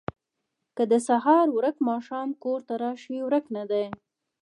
ـ که د سهار ورک ماښام کور ته راشي ورک نه دی